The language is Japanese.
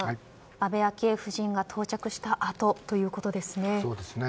安倍昭恵夫人が到着したあとということですね。